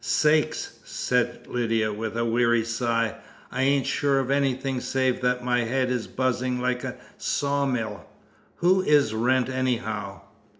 "Sakes!" said Lydia, with a weary sigh. "I ain't sure of anything save that my head is buzzing like a sawmill. Who is Wrent, anyhow?"